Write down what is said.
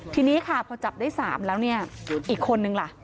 ทีนี้ค่ะพอจับได้๓แล้วเนี่ยอีกคนนึงล่ะ